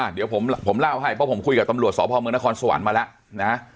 เดี๋ยวผมเล่าให้เพราะผมคุยกับตำรวจสพเมืองนครสวรรค์มาแล้วนะ